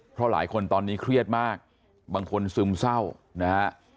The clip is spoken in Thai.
เพราะหลายคนตอนนี้เครียดมากบางคนซึมเศร้านะฮะ